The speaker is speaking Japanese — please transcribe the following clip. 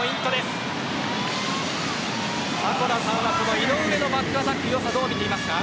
井上のバックアタックの良さどう見ていますか。